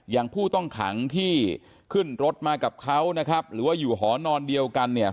อย่างผู้ต้องขังที่ขึ้นรถมากับเขานะครับหรือว่าอยู่หอนอนเดียวกันเนี่ย